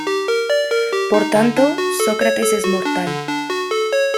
Por tanto, Sócrates es mortal".